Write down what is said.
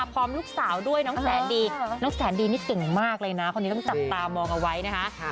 คุณแสนดีนี่เก่งมากเลยนะคนนี้ต้องจับตามองเอาไว้นะฮะ